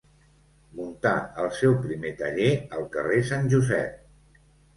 Muntà el seu primer taller al carrer Sant Josep.